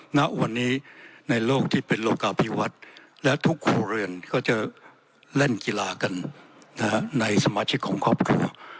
ณวันนี้ในโลกที่เป็นโลกาพิวัฒน์และทุกครัวเรือนก็จะเล่นกีฬากันในสมาชิกของครอบครัว